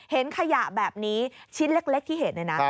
เห็นขยะแบบนี้ชิ้นเล็กที่เห็นเนี่ยนะ